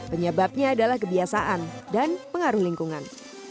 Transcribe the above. penyebabnya adalah kebiasaan dan pengaruh lingkungan